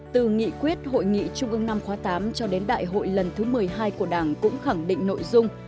từ nghị quyết hội nghị trung ương năm khóa tám cho đến đại hội lần thứ một mươi hai của đảng cũng khẳng định nội dung